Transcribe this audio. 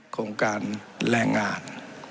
โครงการแรงงาน